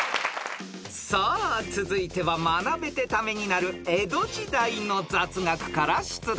［さあ続いては学べてタメになる江戸時代の雑学から出題］